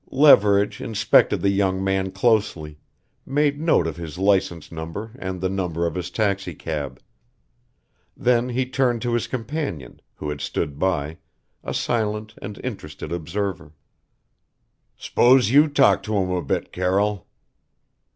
Leverage inspected the young man closely, made note of his license number and the number of his taxi cab. Then he turned to his companion, who had stood by, a silent and interested observer. "S'pose you talk to him a bit, Carroll."